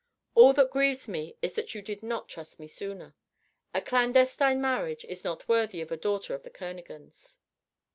All that grieves me is that you did not trust me sooner. A clandestine marriage is not worthy of a daughter of the Kernogans."